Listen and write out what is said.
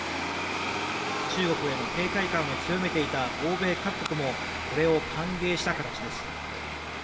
中国への警戒感を強めていた欧米各国もこれを歓迎した形です。